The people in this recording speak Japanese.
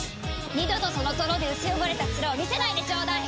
二度とその泥で薄汚れた面を見せないでちょうだい！